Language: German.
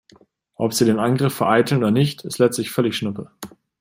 Ob sie den Angriff vereiteln oder nicht, ist letztlich völlig schnuppe.